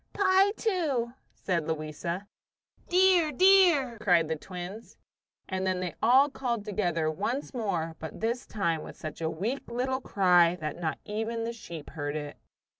"Pie, too," said Louisa. "Dear, dear!" cried the twins. And then they all called together once more, but this time with such a weak little cry that not even the sheep heard it.